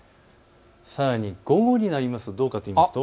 さらに午後になりますとどうかといいますと。